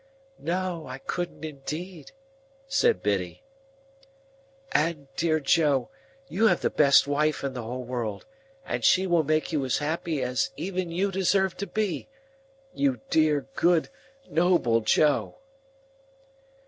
"No, I couldn't indeed," said Biddy. "And, dear Joe, you have the best wife in the whole world, and she will make you as happy as even you deserve to be, you dear, good, noble Joe!"